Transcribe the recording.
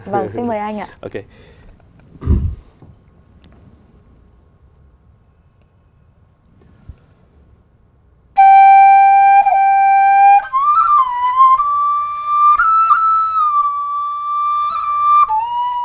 vâng xin mời anh ạ